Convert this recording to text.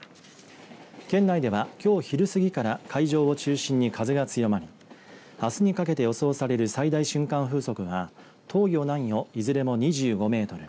県内ではきょう昼過ぎから海上を中心に風が強まりあすにかけて予想される最大瞬間風速が東予、南予いずれも２５メートル